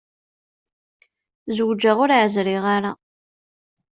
Zewǧeɣ ur ɛezriɣ ara.